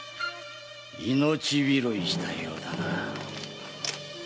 命拾いしたようだな。